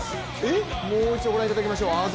もう一度御覧いただきましょう。